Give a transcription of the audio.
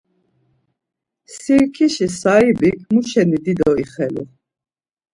Sirkişi saibik muşeni dido ixelu?